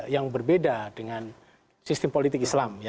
yang berbeda dengan sistem politik islam